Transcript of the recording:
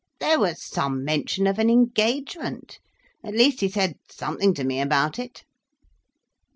"There was some mention of an engagement—at least, he said something to me about it."